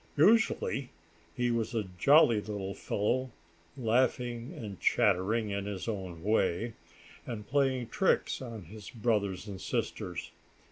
Usually he was a jolly little fellow, laughing and chattering in his own way, and playing tricks on his brothers and sisters.